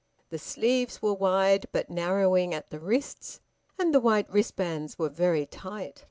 The sleeves were wide, but narrowing at the wrists, and the white wristbands were very tight.